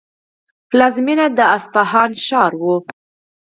پلازمینه یې د اصفهان ښار و.